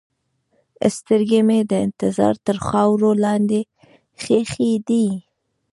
سترګې مې د انتظار تر خاورو لاندې ښخې دي.